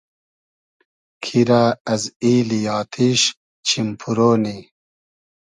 کی رۂ از ایلی آتیش چیم پورۉ نی